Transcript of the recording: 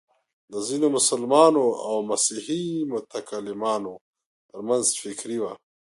د ځینو مسلمانو او مسیحي متکلمانو تر منځ فکري وه.